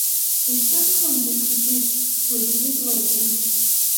Дышьҭысхын дысгәӡит, слыгәӡит ларгьы.